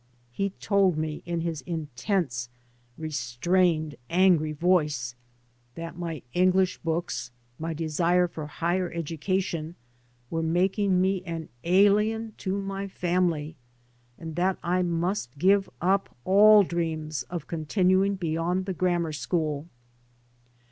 He told me in his in tense restrained angry voice that my English by Google MY MOTHER AND I books, my desire for higher education, were making me an alien to my family, and that I must give up all dreams of continuing beyond the grammar school.